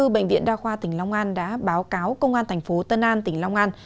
bệnh viện đa khoa tỉnh long an đã báo cáo công an thành phố tân an tỉnh long an